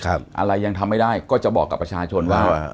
อะไรยังทำไม่ได้ก็จะบอกกับประชาชนว่า